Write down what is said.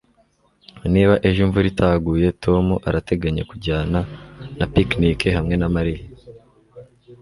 Niba ejo imvura itaguye Tom arateganya kujyana na picnic hamwe na Mariya